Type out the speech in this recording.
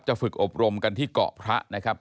ฝึกอบรมกันที่เกาะพระนะครับ